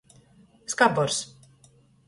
Skabors.